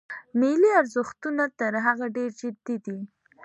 ملي ارزښتونه تر هغه ډېر جدي دي.